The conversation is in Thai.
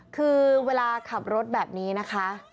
คือเวลาขับรถแบบนี้นะคะ